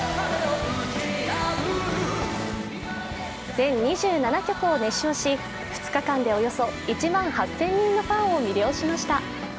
全２７曲を熱唱し２日間でおよそ１万８０００人のファンを魅了しました。